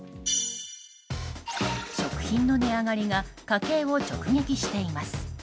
食品の値上がりが家計を直撃しています。